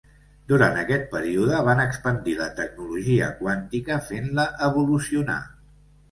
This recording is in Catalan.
Durant aquest període, van expandir la tecnologia quàntica fent-la evolucionar.